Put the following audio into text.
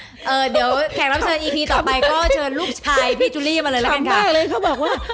เดี๋ยวแขกรับเชิญอีพีต่อไปก็เชิญลูกชายพี่จุลี่มาเลยละกันค่ะ